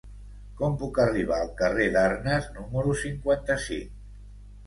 Com puc arribar al carrer d'Arnes número cinquanta-cinc?